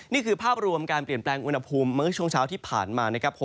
นี่คือภาพรวมการเปลี่ยนแปลงอุณหภูมิเมื่อช่วงเช้าที่ผ่านมานะครับ